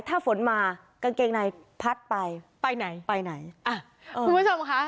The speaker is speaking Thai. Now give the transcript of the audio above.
ถ้าฝนมากางเกงในพัดไปไปไหนไปไหนอ่ะคุณผู้ชมค่ะ